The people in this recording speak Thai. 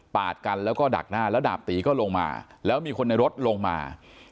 กันแล้วก็ดักหน้าแล้วดาบตีก็ลงมาแล้วมีคนในรถลงมา